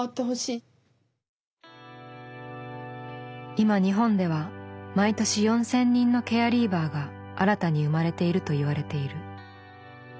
今日本では毎年４，０００人のケアリーバーが新たに生まれているといわれている。